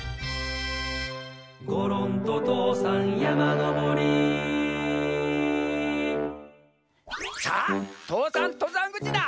「ごろんととうさんやまのぼり」さあ父山とざんぐちだ。